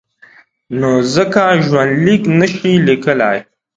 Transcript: نو ځکه ژوندلیک نشي لیکلای.